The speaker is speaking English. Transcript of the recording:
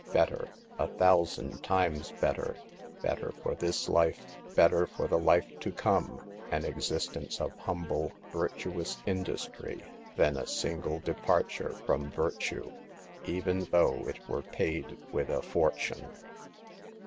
Better, a thousand times better, bet ter for this life, better for the life to come, an existence of humble, virtuous industry, than a single departure from virtue, even though it were paid with a fortune.